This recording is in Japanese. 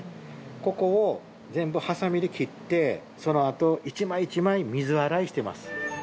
ここを全部はさみで切ってそのあと１枚１枚水洗いしてます。